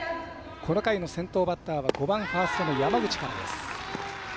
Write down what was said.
この回の先頭バッターは５番ファーストの山口からです。